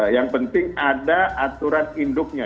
yang penting ada aturan induknya